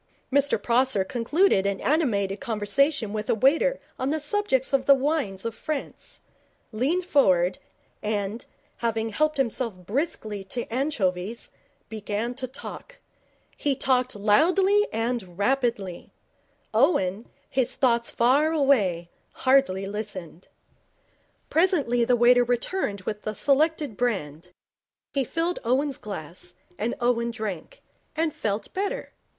Mr Prosser concluded an animated conversation with a waiter on the subject of the wines of France, leaned forward, and, having helped himself briskly to anchovies, began to talk. He talked loudly and rapidly. Owen, his thoughts far away, hardly listened. Presently the waiter returned with the selected brand. He filled Owen's glass, and Owen drank, and felt better.